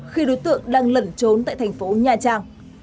khi đối tượng đang lẩn trốn tại thành phố nha trang